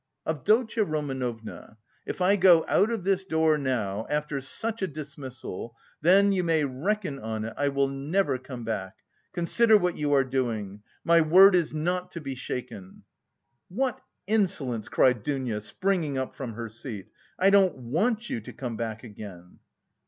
"Avdotya Romanovna, if I go out of this door now, after such a dismissal, then, you may reckon on it, I will never come back. Consider what you are doing. My word is not to be shaken." "What insolence!" cried Dounia, springing up from her seat. "I don't want you to come back again."